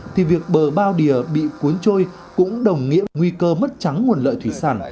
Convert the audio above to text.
thì việc bờ bao bìa bị cuốn trôi cũng đồng nghĩa nguy cơ mất trắng nguồn lợi thủy sản